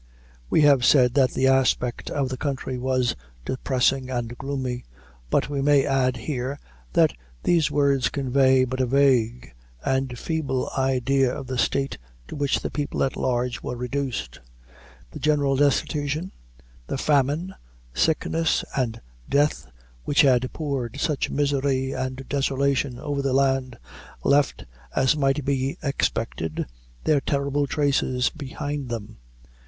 We have said that the aspect of the country was depressing and gloomy; but we may add here, that these words convey but a vague and feeble idea of the state to which the people at large were reduced. The general destitution, the famine, sickness and death, which had poured such misery and desolation over the land, left, as might be expected, their terrible traces behind them.